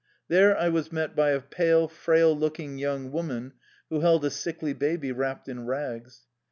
There I was met by a pale, frail looking young woman who held a sickly baby wrapped in rags.